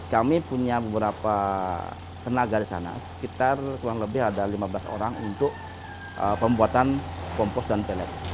kami punya beberapa tenaga di sana sekitar kurang lebih ada lima belas orang untuk pembuatan kompos dan pelet